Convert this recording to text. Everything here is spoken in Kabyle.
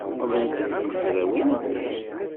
Qqlent-d tmezrawin-nni.